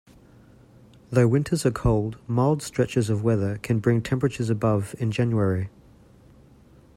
Though winters are cold, mild stretches of weather can bring temperatures above in January.